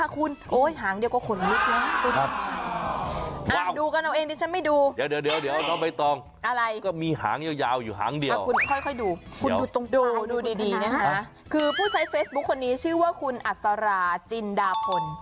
คุณค่อยดูดูดีนะฮะคือผู้ใช้เฟซบุ๊กคนนี้ชื่อว่าคุณอัศราจินดาพล